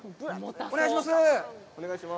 お願いします。